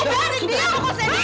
aduh beli anginnya sama aku ya